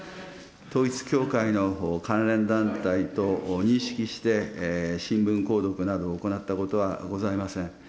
統一教会の関連団体と認識して、新聞購読などを行ったことはございません。